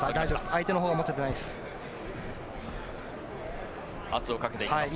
相手のほうが持ててないです。